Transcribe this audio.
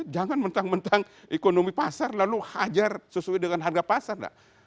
jangan mentang mentang ekonomi pasar lalu hajar sesuai dengan harga pasar